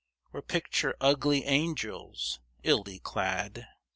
Or picture ugly angels, illy clad?